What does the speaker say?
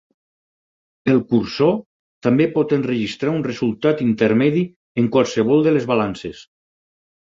El cursor també pot enregistrar un resultat intermedi en qualsevol de les balances.